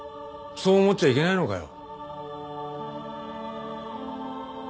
そう思っちゃいけないのかよ。